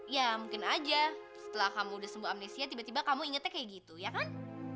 ya mungkin aja setelah kamu udah sembuh amnesia tiba tiba kamu ingetnya kayak gitu ya kan